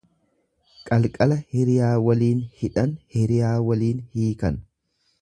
Qalqala hiriyaa waliin hidhan hiriyaa waliin hiikan.